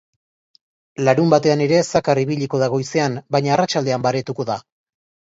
Larunbatean ere zakar ibiliko da goizean, baina arratsaldean baretuko da.